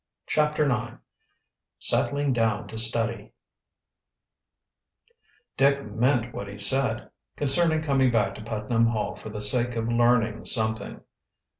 CHAPTER IX SETTLING DOWN TO STUDY Dick meant what he said concerning coming back to Putnam Hall for the sake of learning something.